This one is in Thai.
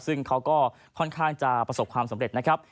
ซึ่งเขาก็ค่อนข้างจะประสบความสำเร็จนะครับ